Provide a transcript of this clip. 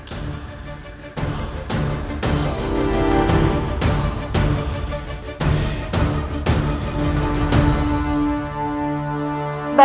aku akan mencintai anak anak buka